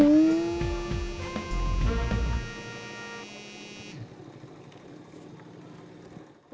ke kanan aku